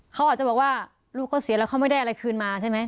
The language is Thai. เขาอาจจะบอกว่าลูกเขาเสียแล้วเขาไม่ได้อะไรคืนมาใช่ไหม